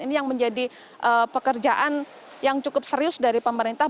ini yang menjadi pekerjaan yang cukup serius dari pemerintah